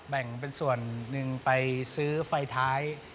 แบ่งเป็นส่วนหนึ่งไปซื้อไฟท้าย